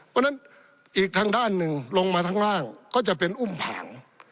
เพราะฉะนั้นอีกทางด้านหนึ่งลงมาข้างล่างก็จะเป็นอุ้มผาง